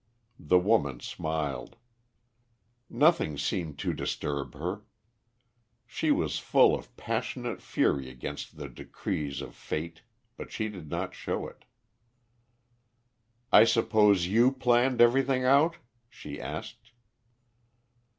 The woman smiled. Nothing seemed to disturb her. She was full of passionate fury against the decrees of fate, but she did not show it. "I suppose you planned everything out?" she asked.